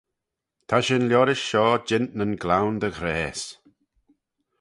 Ta shin liorish shoh jeant nyn gloan dy ghrayse.